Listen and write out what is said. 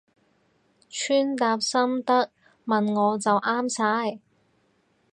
穿搭心得問我就啱晒